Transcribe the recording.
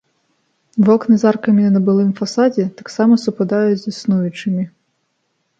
Вокны з аркамі на былым фасадзе таксама супадаюць з існуючымі.